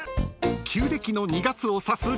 ［旧暦の２月を指す］